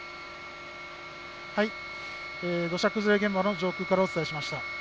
土砂崩れ現場の上空からお伝えしました。